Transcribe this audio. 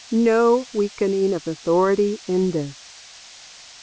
No weakening of Authority in this.